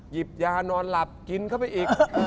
หยิบยานอนหลับกินเข้าไปอีก